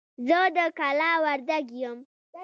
زه د کلاخ وردک يم.